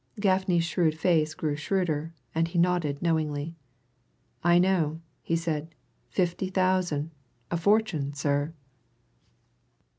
Gaffney's shrewd face grew shrewder, and he nodded knowingly. "I know!" he said. "Fifty thousand! A fortune, sir!"